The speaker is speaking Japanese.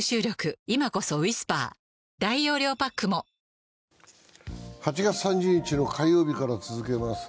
ヤマト運輸８月３０日の火曜日から続けます。